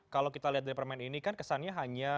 kalau kita lihat dari permen ini kan kesannya hanya